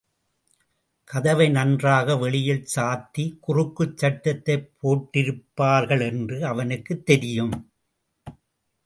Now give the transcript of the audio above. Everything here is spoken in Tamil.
கதவை நன்றாக வெளியில் சாத்திக் குறுக்குச் சட்டத்தைப் போட்டிருப்பார்களென்று அவனுக்குத் தெரியும்.